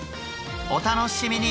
お楽しみに！